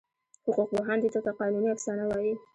حقوقپوهان دې ته قانوني افسانه وایي.